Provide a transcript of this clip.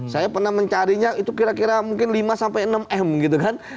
saya pernah mencarinya itu kira kira mungkin lima sampai enam m gitu kan